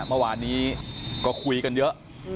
เมื่อวานนี้ก็คุยกันเยอะ